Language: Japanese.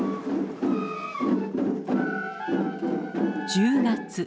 １０月。